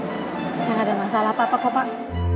saya gak ada masalah apa apa kok pak